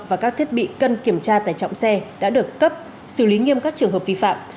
và các thiết bị cân kiểm tra tải trọng xe đã được cấp xử lý nghiêm các trường hợp vi phạm